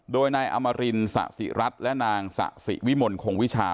โดยนายอมรินสะสิรัฐและนางสะสิวิมลคงวิชา